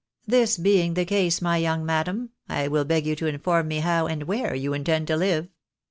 This being the case, my young madam, I will beg you to inform me how and where you intend to live